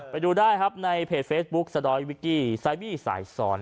ไปดูได้ครับในเพจเฟซบุ๊คสดอยวิกกี้ไซบี้สายซ้อน